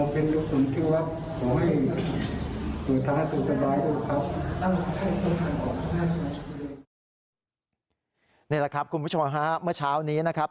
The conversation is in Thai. นี่แหละครับคุณผู้ชมฮะเมื่อเช้านี้นะครับ